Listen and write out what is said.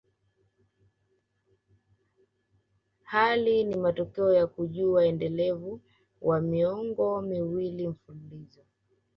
Hayo ni matokeo ya ukuaji endelevu wa miongo miwili mfululizo